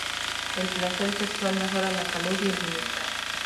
El placer sexual mejora la salud y el bienestar.